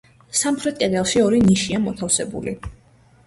სამხრეთ კედელში ორი ნიშია მოთავსებული.